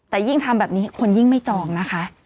แต่ยิ่งทำแบบนี้คนยิ่งไม่จองนะคะ